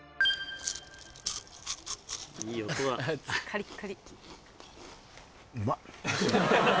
カリッカリ。